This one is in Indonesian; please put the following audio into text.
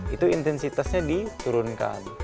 itu intensitasnya diturunkan